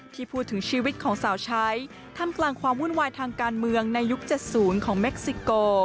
ที่พูดถึงชีวิตของสาวใช้ทำกลางความวุ่นวายทางการเมืองในยุค๗๐ของเม็กซิโก